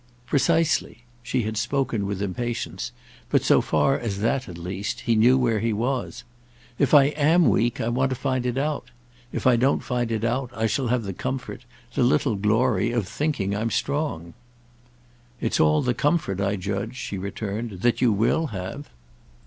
"Precisely!" She had spoken with impatience, but, so far as that at least, he knew where he was. "If I am weak I want to find it out. If I don't find it out I shall have the comfort, the little glory, of thinking I'm strong." "It's all the comfort, I judge," she returned, "that you will have!"